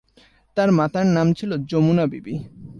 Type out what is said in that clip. তার মাতার নাম ছিল যমুনা বিবি।